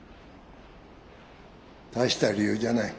大した理由じゃない。